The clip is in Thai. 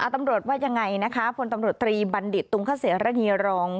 ตำรวจว่ายังไงนะคะพลตำรวจตรีบัณฑิตตุงคเสรณีรอง